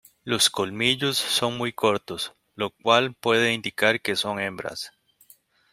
Los colmillos son muy cortos, lo cual puede indicar que son hembras.